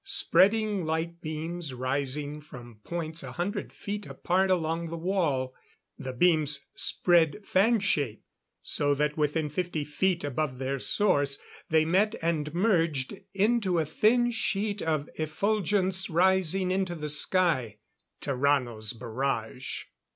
Spreading light beams rising from points a hundred feet apart along the wall. The beams spread fan shape, so that within fifty feet above their source they met and merged into a thin sheet of effulgence rising into the sky. Tarrano's barrage.